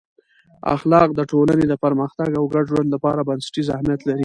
اخلاق د ټولنې د پرمختګ او ګډ ژوند لپاره بنسټیز اهمیت لري.